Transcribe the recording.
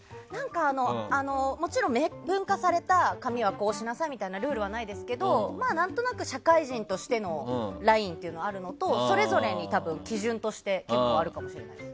もちろん明文化された髪はこうしなさいみたいなルールはないですけど何となく社会人としてのラインがあるのとそれぞれに基準としてあるかもしれません。